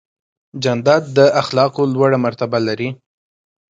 جانداد د اخلاقو لوړه مرتبه لري.